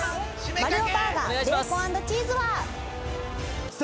「マリオ・バーガーベーコン＆チーズは」